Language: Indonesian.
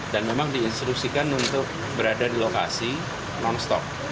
dan memang diinstitusikan untuk berada di lokasi non stop